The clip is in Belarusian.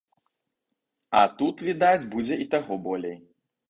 А тут, відаць, будзе і таго болей.